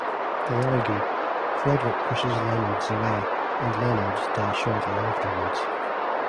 They argue; Frederick pushes Leonards away, and Leonards dies shortly afterwards.